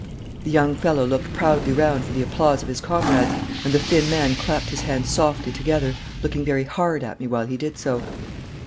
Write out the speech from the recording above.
The young fellow looked proudly round for the applause of his comrades, and the thin man clapped his hands softly together, looking very hard at me while he did so.